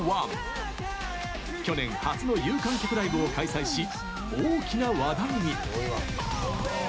去年、初の有観客ライブを開催し大きな話題に。